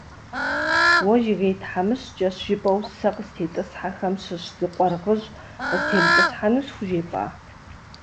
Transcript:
Уэ Жыгей тхьэмыщкӀэщ, жыпӀэу сэ къыстетӀысхьэхэм щыщ зы къуаргъыжь къыстемытӀысхьэну схужепӀа?!